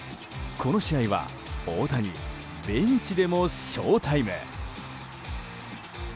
この試合は、大谷ベンチでも翔タイム！